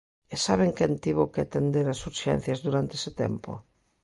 ¿E saben quen tivo que atender as urxencias durante ese tempo?